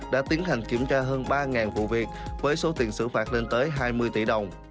đã tiến hành kiểm tra hơn ba vụ việc với số tiền xử phạt lên tới hai mươi tỷ đồng